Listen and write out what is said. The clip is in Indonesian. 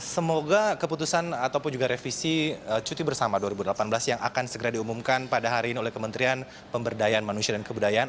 semoga keputusan ataupun juga revisi cuti bersama dua ribu delapan belas yang akan segera diumumkan pada hari ini oleh kementerian pemberdayaan manusia dan kebudayaan